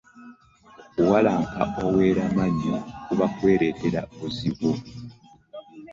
Okuwalampa oweramannyo kuba kwereetera buzibu.